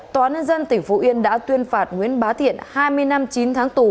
tòa án nhân dân tỉnh phú yên đã tuyên phạt nguyễn bá thiện hai mươi năm chín tháng tù